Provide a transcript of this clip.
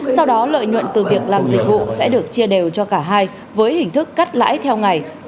sau đó lợi nhuận từ việc làm dịch vụ sẽ được chia đều cho cả hai với hình thức cắt lãi theo ngày